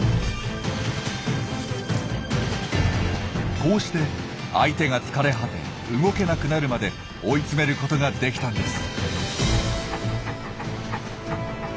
こうして相手が疲れ果て動けなくなるまで追い詰めることができたんです。